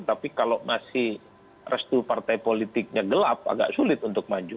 tapi kalau masih restu partai politiknya gelap agak sulit untuk maju